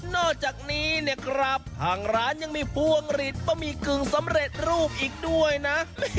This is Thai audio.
นอกจากนี้เนี่ยครับทางร้านยังมีพวงหลีดบะหมี่กึ่งสำเร็จรูปอีกด้วยนะ